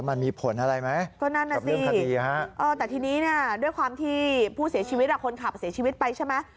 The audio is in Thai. แล้วมันมีผลอะไรไหมก็นั่นนะสิกับเรื่องคดีแต่ทีนี้ด้วยความที่ผู้เสียชีวิตหรือคนขับเสียชีวิตไปใช่ไหม